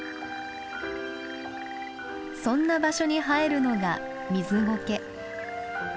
そんな場所に生えるのがミズゴケ。